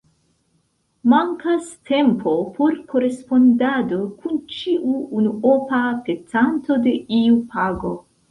Mankas tempo por korespondado kun ĉiu unuopa petanto de iu pago.